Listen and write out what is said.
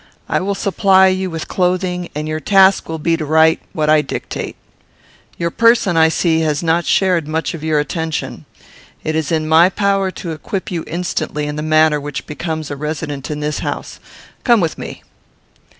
I will supply you with clothing, and your task will be to write what I dictate. Your person, I see, has not shared much of your attention. It is in my power to equip you instantly in the manner which becomes a resident in this house. Come with me."